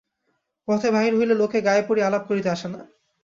পথে বাহির হইলে লোকে গায়ে পড়িয়া আলাপ করিতে আসে না।